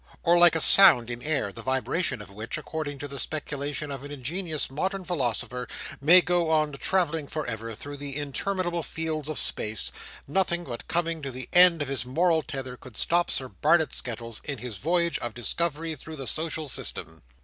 Or, like a sound in air, the vibration of which, according to the speculation of an ingenious modern philosopher, may go on travelling for ever through the interminable fields of space, nothing but coming to the end of his moral tether could stop Sir Barnet Skettles in his voyage of discovery through the social system.